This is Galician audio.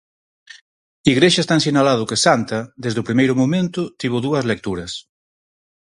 Igrexas ten sinalado que Santa, desde o primeiro momento, tivo dúas lecturas.